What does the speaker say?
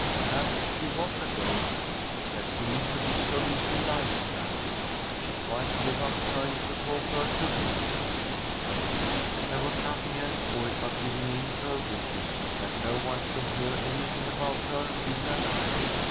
Perhaps she was a ghost ; there seemed to be so little life in her. She quite gave up trying to talk her to reason. There was nothing else for it but giving in to her wishes that no one should hear anything about her being alive.